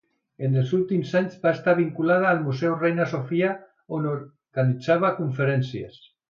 En els últims anys va estar vinculada al Museu Reina Sofia, on organitzava conferències.